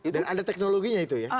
dan ada teknologinya itu ya